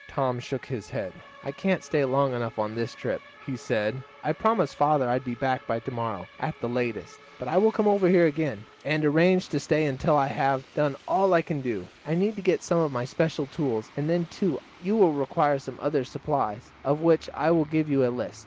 Tom shook his head. "I can't stay long enough on this trip," he said. "I promised father I would be back by to morrow at the latest, but I will come over here again, and arrange to stay until I have done all I can. I need to get some of my special tools, and then, too, you will require some other supplies, of which I will give you a list.